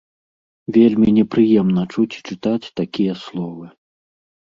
Вельмі непрыемна чуць і чытаць такія словы.